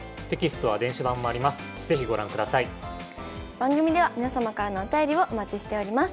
番組では皆様からのお便りをお待ちしております。